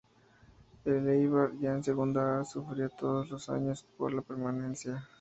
El Eibar ya en Segunda A sufría todos los años por la permanencia.